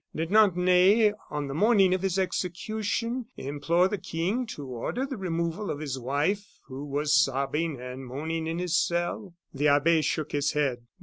Did not Ney, on the morning of his execution, implore the King to order the removal of his wife who was sobbing and moaning in his cell?" The abbe shook his head.